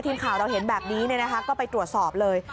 ทีมข่าวเราเห็นแบบนี้ก็ไปตรวจสอบเลย